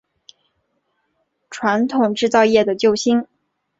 传统制造业的救星